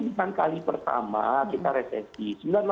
bukan kali pertama kita resesi